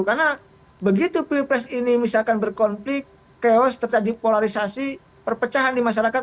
karena begitu pilpres ini misalkan berkonflik chaos terjadi polarisasi perpecahan di masyarakat